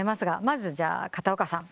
まず片岡さん。